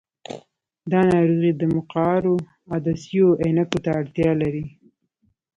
دا ناروغي د مقعرو عدسیو عینکو ته اړتیا لري.